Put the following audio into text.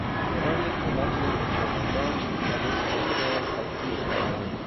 برای کمک به مستمندان روشهایی را تدبیر کردن